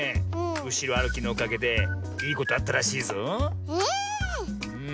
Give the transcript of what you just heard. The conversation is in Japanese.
うしろあるきのおかげでいいことあったらしいぞ。